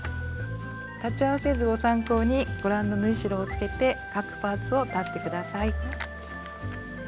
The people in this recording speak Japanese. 裁ち合わせ図を参考にご覧の縫い代をつけて各パーツを裁って下さい。